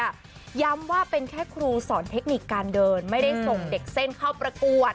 ย้ำว่าเป็นแค่ครูสอนเทคนิคการเดินไม่ได้ส่งเด็กเส้นเข้าประกวด